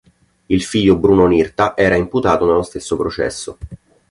Il figlio Bruno Nirta era imputato nello stesso processo.